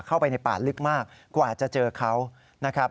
เข้าไปในป่าลึกมากกว่าจะเจอเขานะครับ